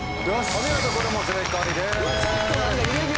お見事これも正解です。